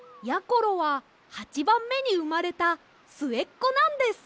ころは８ばんめにうまれたすえっこなんです！